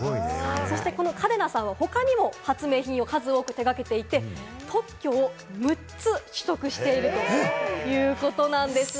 この嘉手納さんは他にも数多く手がけていて、特許を６つ取得しているということなんです。